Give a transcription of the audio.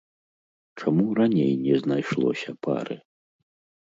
Чаму раней не знайшлося пары?